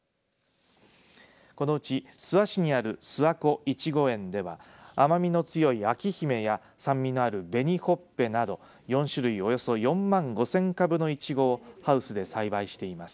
このうち諏訪市にある諏訪湖いちご園では甘みの強い、あきひめや酸味のある紅ほっぺなどを４種類およそ４万５０００株のいちごをハウスで栽培しています。